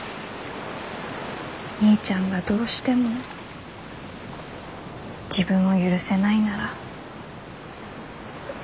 みーちゃんがどうしても自分を許せないなら。